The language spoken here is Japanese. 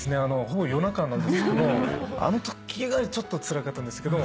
ほぼ夜中なんですけどあのときがちょっとつらかったんですけど。